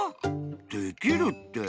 できるって！